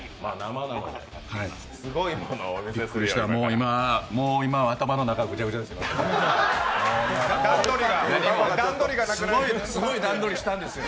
今、頭の中ぐちゃぐちゃですよ。